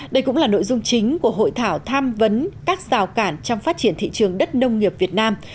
đây cũng là nội dung chính của hội thảo tham vấn các rào cản trong phát triển thị trường đất nông nghiệp việt nam